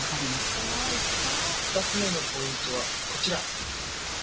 ２つ目のポイントはこちら！